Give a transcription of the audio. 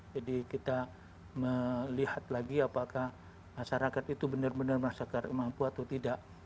jadi kita melihat lagi apakah masyarakat itu benar benar merasakan kemampuan atau tidak